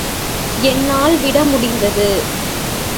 என்னால் விட முடிந்தது.